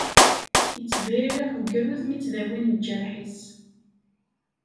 Yettebririḥ ugrud mi ttdawin iǧerḥ-is.